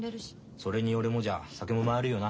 それに俺もじゃ酒も回るよな。